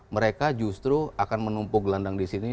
mereka justru akan menumpuk gelendang disini